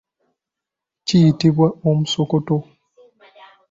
Kiyitibwa omusokoto.